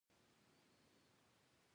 علامه حبيبي د پښتو د معیاري کولو هڅه کړې ده.